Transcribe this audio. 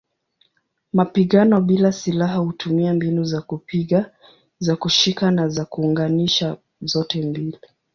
Mapigano bila silaha hutumia mbinu za kupiga, za kushika na za kuunganisha zote mbili.